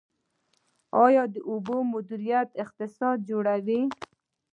آیا د اوبو مدیریت اقتصاد جوړوي؟